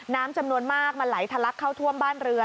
น้ำจำนวนมากมันไหลทะลักเข้าท่วมบ้านเรือ